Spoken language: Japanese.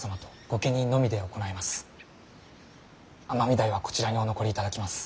尼御台はこちらにお残りいただきます。